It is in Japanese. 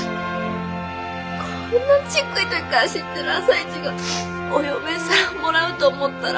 こんなちっくい時から知ってる朝市がお嫁さんもらうと思ったら。